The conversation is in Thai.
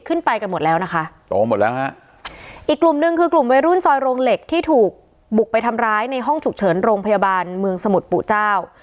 ไปกันหมดแล้วนะคะโตหมดแล้วฮะอีกกลุ่มหนึ่งคือกลุ่มวัยรุ่นซอยโรงเหล็กที่ถูกบุกไปทำร้ายในห้องฉุกเฉินโรงพยาบาลเมืองสมุทรปู่เจ้า